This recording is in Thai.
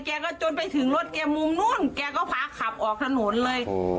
แกก็จนไปถึงรถแกมุมนู้นแกก็พาขับออกถนนเลย